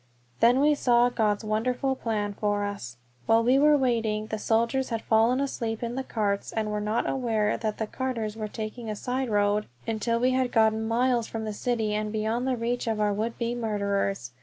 Then we saw God's wonderful plan for us. While we were waiting the soldiers had fallen asleep in the carts, and were not aware that the carters were taking a side road until we had gotten miles from the city and beyond the reach of our would be murderers!